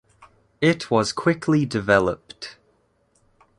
It was quickly developed.